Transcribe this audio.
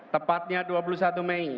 tepatnya dua puluh satu mei